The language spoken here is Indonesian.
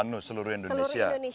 anu seluruh indonesia